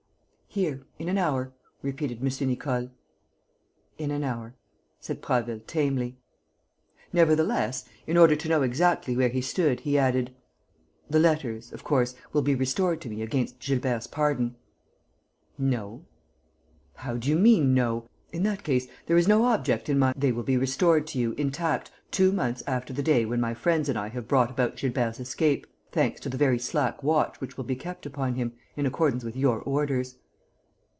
"Here, in an hour," repeated M. Nicole. "In an hour," said Prasville, tamely. Nevertheless, in order to know exactly where he stood, he added, "The letters, of course, will be restored to me against Gilbert's pardon?" "No." "How do you mean, no? In that case, there is no object in...." "They will be restored to you, intact, two months after the day when my friends and I have brought about Gilbert's escape ... thanks to the very slack watch which will be kept upon him, in accordance with your orders."